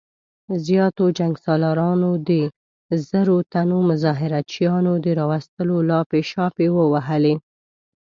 زياتو جنګ سالارانو د زرو تنو مظاهره چيانو د راوستلو لاپې شاپې ووهلې.